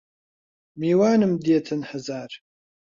میوانم دێتن هەزار